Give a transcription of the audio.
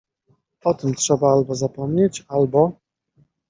O tym trzeba albo zapomnieć, albo.